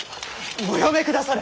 おやめくだされ！